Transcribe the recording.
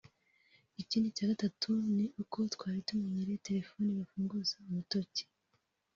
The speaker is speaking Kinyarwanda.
Ikindi cya gatatu ni uko twari tumenyereye telefoni bafunguza urutoki